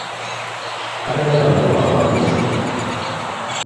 Qrib ad naweḍ neɣ mazal?